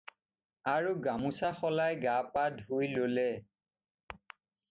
আৰু গামোচা সলাই গা-পা ধুই ল'লে।